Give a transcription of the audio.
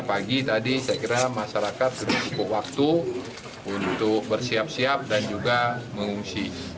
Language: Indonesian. pagi tadi saya kira masyarakat sudah cukup waktu untuk bersiap siap dan juga mengungsi